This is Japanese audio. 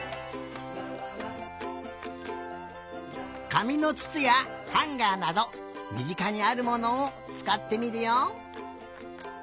かみのつつやハンガーなどみぢかにあるものをつかってみるよ！